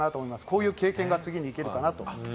こういう経験が次に生きるかなと思います。